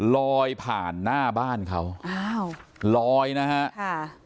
ลอยผ่านหน้าบ้านเขาลอยนะฮะ